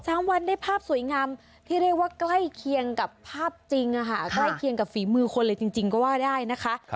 สามวันได้ภาพสวยงามที่เรียกว่าใกล้เคียงกับภาพจริงใกล้เคียงกับฝีมือคนเลยจริงจริงก็ว่าได้นะคะ